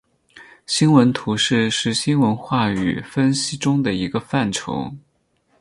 新闻图式是新闻话语分析中的一个范畴。